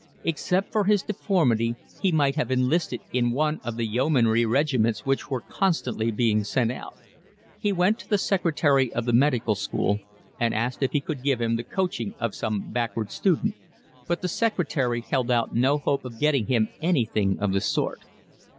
Except for his deformity he might have enlisted in one of the yeomanry regiments which were constantly being sent out. He went to the secretary of the Medical School and asked if he could give him the coaching of some backward student; but the secretary held out no hope of getting him anything of the sort.